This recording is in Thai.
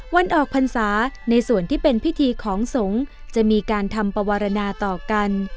วันออกพรรษาในส่วนที่เป็นพิธีของสงฆ์จะมีการทำปวรรณาต่อกัน